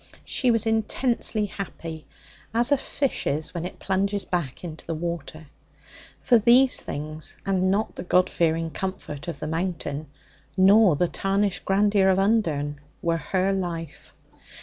She was intensely happy, as a fish is when it plunges back into the water. For these things, and not the God fearing comfort of the Mountain, nor the tarnished grandeur of Undern, were her life.